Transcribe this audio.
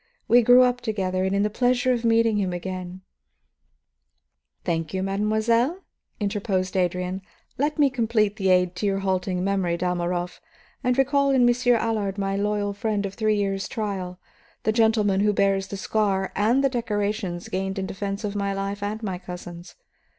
We grew up together; and in the pleasure of meeting him again " "Thank you, mademoiselle," interposed Adrian. "Let me complete the aid to your halting memory, Dalmorov, and recall in Monsieur Allard my loyal friend of three years' trial, the gentleman who bears the scar and the decorations gained in defense of my life and my cousin's.